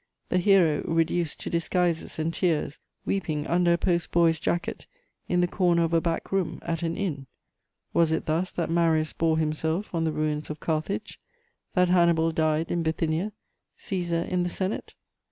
_ The hero reduced to disguises and tears, weeping under a post boy's jacket in the corner of a back room at an inn! Was it thus that Marius bore himself on the ruins of Carthage, that Hannibal died in Bithynia, Cæsar in the Senate?